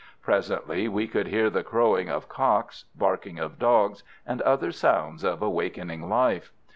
Presently we could hear the crowing of cocks, barking of dogs, and other sounds of awakening life.